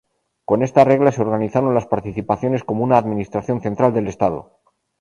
Con esta regla se organizaron las participaciones como una administración central del estado.